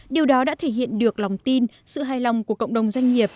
điều đó đã thể hiện được lòng tin sự hài lòng của cộng đồng doanh nghiệp